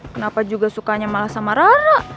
kenapa juga sukanya malah sama rara